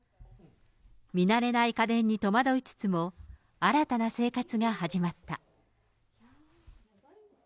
見慣れない家電に戸惑いつつも、新たな生活が始まった。